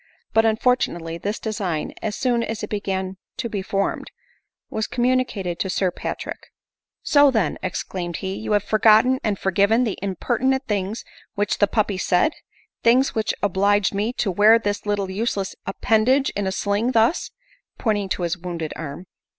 But unfortunately* this design, as soon as it began to be formed, was communicated to Sir Pat rick. " So then !" exclaimed he, " you have forgotten and forgiven the impertinent things which the puppy said !— things which obliged me to wear this little useless appen dage in a sling thus," (pointing to his wounded arm.)